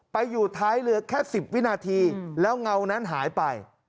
อยู่ท้ายเรือแค่๑๐วินาทีแล้วเงานั้นหายไป